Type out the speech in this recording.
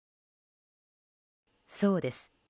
そうです。